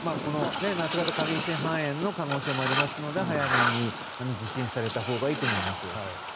夏型過敏性肺炎の可能性もありますので早めに受診されたほうがいいと思います。